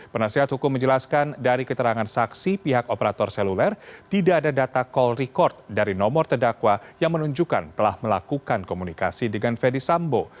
penasihat hukum menjelaskan dari keterangan saksi pihak operator seluler tidak ada data call record dari nomor terdakwa yang menunjukkan telah melakukan komunikasi dengan fedy sambo